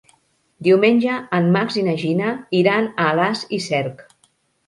Diumenge en Max i na Gina iran a Alàs i Cerc.